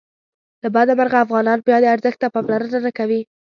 له بده مرغه افغانان بیا دې ارزښت ته پاملرنه نه کوي.